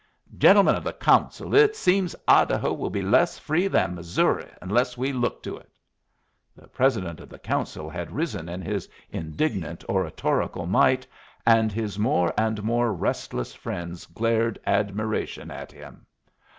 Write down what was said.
Gentlemen of the Council, it seems Idaho will be less free than Missouri unless we look to it." The President of the Council had risen in his indignant oratorical might, and his more and more restless friends glared admiration at him.